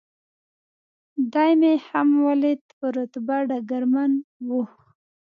دی مې هم ولید، په رتبه ډګرمن و.